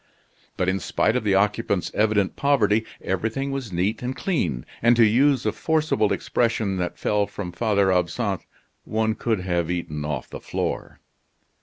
But in spite of the occupant's evident poverty, everything was neat and clean, and to use a forcible expression that fell from Father Absinthe, one could have eaten off the floor.